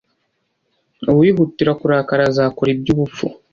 uwihutira kurakara azakora iby’ubupfu,